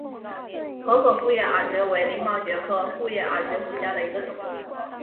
河口复叶耳蕨为鳞毛蕨科复叶耳蕨属下的一个种。